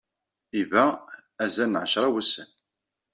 Iba azal n ɛecṛa n wussan.